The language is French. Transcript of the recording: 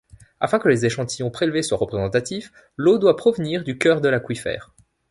Afin que les échantillons prélevés soient représentatifs, l'eau doit provenir du cœur de l'aquifère.